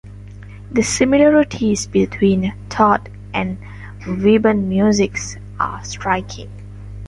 The similarities between "Tot" and Webern's music are striking.